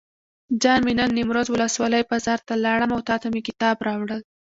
جان مې نن نیمروز ولسوالۍ بازار ته لاړم او تاته مې کتاب راوړل.